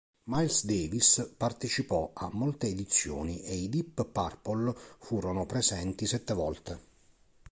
Miles Davis partecipò a molte edizioni e i Deep Purple furono presenti sette volte.